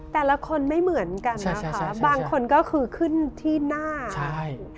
แต่ละคนไม่เหมือนกันนะคะบางคนก็คือขึ้นที่หน้าใช่